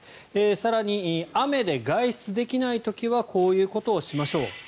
更に、雨で外出できない時はこういうことをしましょう。